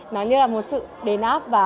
nó như là một sự đề nắp